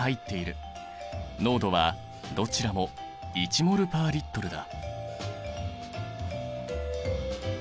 濃度はどちらも１ｍｏｌ／Ｌだ。